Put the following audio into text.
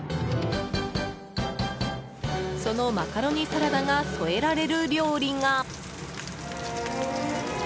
そのマカロニサラダが添えられる料理が。